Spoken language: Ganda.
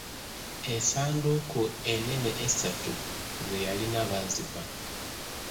Essanduuku ennene essatu ze yalina baazibba.